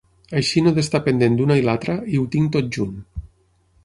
Així no he destar pendent d'una i l'altra, i ho tinc tot junt.